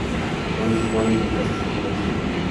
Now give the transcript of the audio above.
No dispone de infraestructuras.